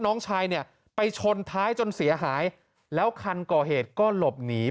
น้องชายเนี่ยไปชนท้ายจนเสียหายแล้วคันก่อเหตุก็หลบหนี